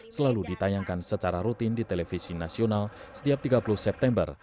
selalu ditayangkan secara rutin di televisi nasional setiap tiga puluh september